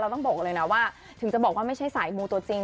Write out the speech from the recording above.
ต้องบอกเลยนะว่าถึงจะบอกว่าไม่ใช่สายมูตัวจริง